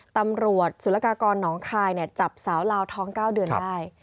ตำรวจสุรกากรหนองคายจับสาวลาวท้อง๙เดือนได้